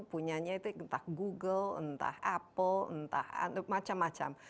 punyanya itu entah google entah apple entah macam macam